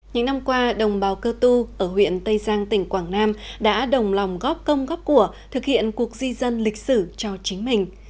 những năm qua đồng bào cơ tu ở huyện tây giang tỉnh quảng nam đã đồng lòng góp công góp của thực hiện cuộc di dân lịch sử cho chính mình